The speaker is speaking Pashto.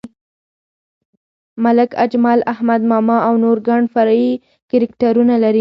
ملک اجمل، احمد ماما او نور ګڼ فرعي کرکټرونه لري.